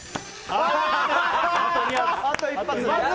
あと１発！